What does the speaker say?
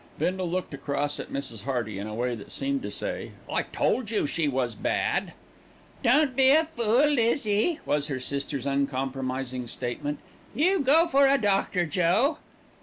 Bindle looked across at Mrs. Hearty, in a way that seemed to say, "I told you she was bad." "Don't be a fool, Lizzie," was her sister's uncompromising comment. "You go for a doctor, Joe."